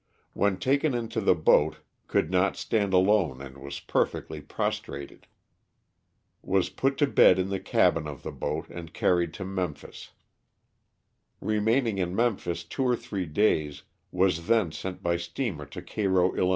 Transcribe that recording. When taken into the boat could not stand alone and was perfectly prostrated. Was put to bed in the cabin of the boat and carried to Memphis. Kemaining in Memphis two or three days was then sent by steamer to Cairo, 111.